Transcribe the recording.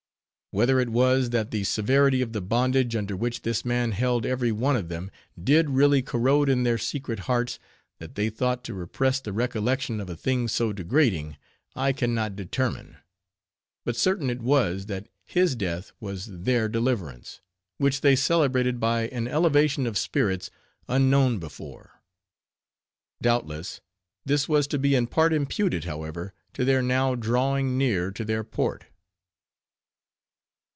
Whether it was, that the severity of the bondage under which this man held every one of them, did really corrode in their secret hearts, that they thought to repress the recollection of a thing so degrading, I can not determine; but certain it was, that his death was their deliverance; which they celebrated by an elevation of spirits, unknown before. Doubtless, this was to be in part imputed, however, to their now drawing near to their port.